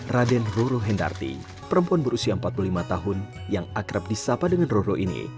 raden roro hendarti perempuan berusia empat puluh lima tahun yang akrab di sapa dengan roro ini